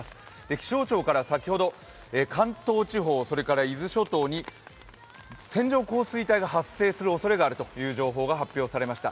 気象庁から、先ほど、関東地方それから伊豆諸島に線状降水帯が発生するおそれがあるという情報が発表されました。